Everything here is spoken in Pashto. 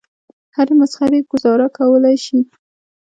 هرې مسخرې ګوزاره کولای شي.